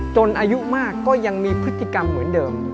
อายุมากก็ยังมีพฤติกรรมเหมือนเดิม